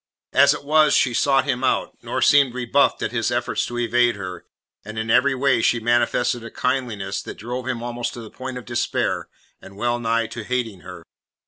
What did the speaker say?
As it was, she sought him out, nor seemed rebuffed at his efforts to evade her, and in every way she manifested a kindliness that drove him almost to the point of despair, and well nigh to hating her.